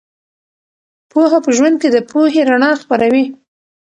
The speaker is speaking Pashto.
پوهه په ژوند کې د پوهې رڼا خپروي.